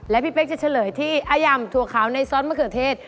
และพี่เป๊กจะเฉลยที่อายำถั่วขาวในซอสมะเขือเทศ